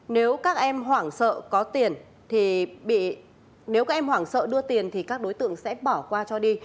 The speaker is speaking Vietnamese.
nếu các em hoảng sợ có tiền thì các đối tượng sẽ bỏ qua cho đi